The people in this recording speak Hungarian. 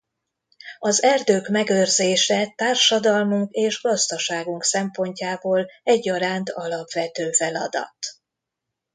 Az erdők megőrzése társadalmunk és gazdaságunk szempontjából egyaránt alapvető feladat.